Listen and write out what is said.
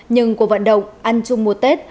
nhưng cuộc vận động ăn chung mùa tết